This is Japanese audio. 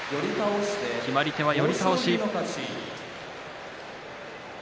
決まり手は寄り倒し。